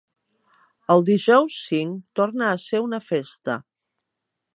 El dijous cinc torna a ser una festa.